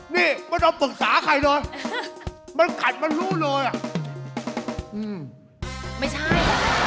อ๋อนี่มันเอาปรึกษาใครโดยมันกัดมันรู้เลยอ่ะอืมไม่ใช่